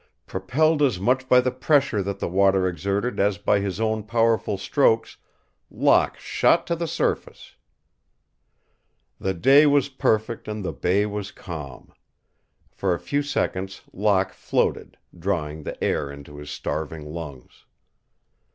Propelled as much by the pressure that the water exerted as by his own powerful strokes, Locke shot to the surface. The day was perfect and the bay was calm. For a few seconds Locke floated, drawing the air into his starving lungs.